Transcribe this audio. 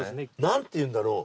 何ていうんだろう？